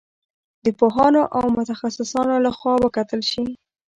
د پوهانو او متخصصانو له خوا وکتل شي.